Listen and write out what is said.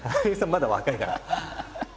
まだ若いから。